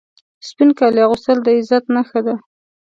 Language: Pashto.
سپین کالي اغوستل د عزت نښه ده.